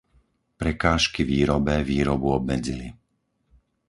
Prekážky výrobe výrobu obmedzili.